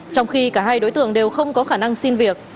trong khi cả hai đối tượng đều không có khả năng xin việc